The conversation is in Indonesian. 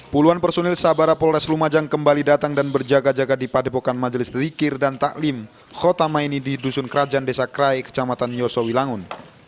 puluhan personil sabara polres lumajang kembali datang dan berjaga jaga di padepokan majelis zikir dan taklim khotamaini di dusun kerajaan desa krai kecamatan yosowi langun